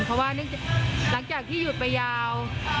เพราะว่าหลังจากที่หยุดไปยาว